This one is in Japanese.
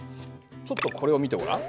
ちょっとこれを見てごらん。